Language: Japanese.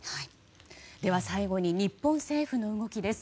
では最後に日本政府の動きです。